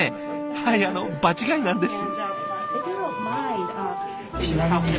はいあの場違いなんです。